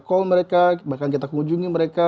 call mereka bahkan kita ke ujungnya mereka